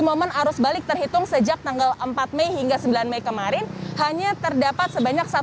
momen arus balik terhitung sejak tanggal empat mei hingga sembilan mei kemarin hanya terdapat sebanyak